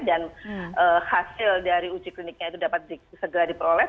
dan hasil dari uji kliniknya itu dapat segera diperoleh